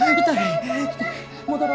戻ろ。